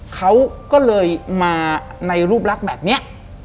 เขาก็เลยมาในรูปลักษณ์แบบนี้